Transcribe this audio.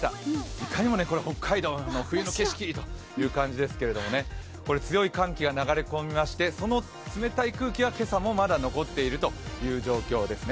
いかにも北海道の冬の景色という感じですけれども強い寒気が流れ込みましてその冷たい空気は今朝もまだ残っているという状況ですね。